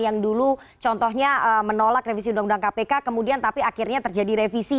yang dulu contohnya menolak revisi undang undang kpk kemudian tapi akhirnya terjadi revisi